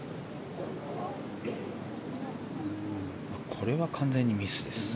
これは完全にミスですね。